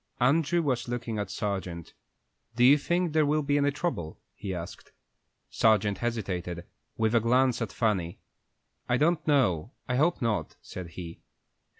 Andrew was looking at Sargent. "Do you think there will be any trouble?" he asked. Sargent hesitated, with a glance at Fanny. "I don't know; I hope not," said he.